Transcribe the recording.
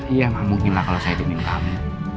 iya gak mungkin lah kalau saya dingin kamu